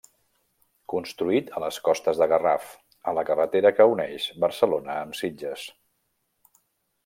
Construït a les costes de Garraf, a la carretera que uneix Barcelona amb Sitges.